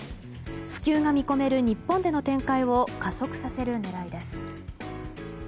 普及が見込める日本での展開を加速させる狙いです。